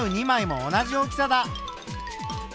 ２枚も同じ大きさだ。